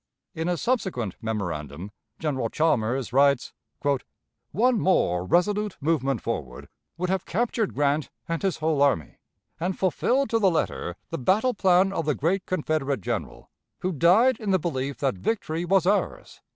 In a subsequent memorandum General Chalmers writes: "One more resolute movement forward would have captured Grant and his whole army, and fulfilled to the letter the battle plan of the great Confederate general, who died in the belief that victory was ours.